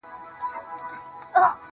څه پروا که نښانې یې یا ورکیږي یا پاتیږي!!